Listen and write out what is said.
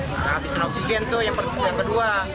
kehabisan oksigen tuh yang kedua